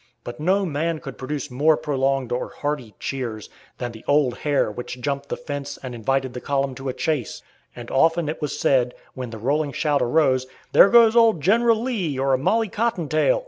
But no man could produce more prolonged or hearty cheers than the "old hare" which jumped the fence and invited the column to a chase; and often it was said, when the rolling shout arose: "There goes old General Lee or a Molly Cotton Tail!"